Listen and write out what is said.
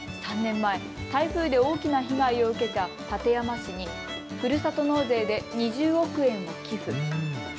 ３年前、台風で大きな被害を受けた館山市にふるさと納税で２０億円を寄付。